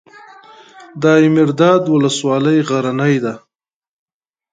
دایمیرداد ولسوالۍ غرنۍ ده؟